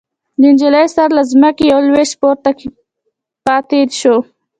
د نجلۍ سر له ځمکې يوه لوېشت پورته پاتې شو.